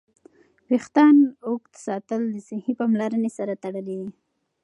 ویښتان اوږد ساتل د صحي پاملرنې سره تړلي.